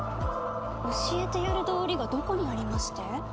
教えてやる道理がどこにありまして？